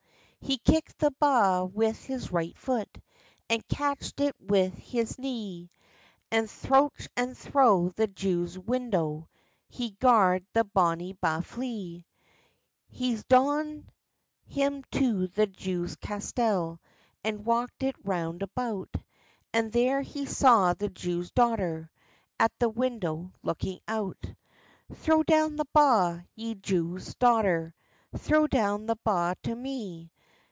He kickd the ba with his right foot And catchd it wi his knee, And throuch and thro the Jew's window He gard the bonny ba flee. He's doen him to the Jew's castell And walkd it round about; And there he saw the Jew's daughter, At the window looking out. "Throw down the ba, ye Jew's daughter, Throw down the ba to me!"